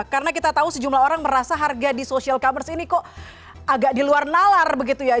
karena kita tahu sejumlah orang merasa harga di social commerce ini kok agak di luar nalar begitu ya